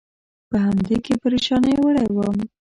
په همدې کې پرېشانۍ وړی یم.